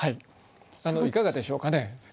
いかがでしょうかね？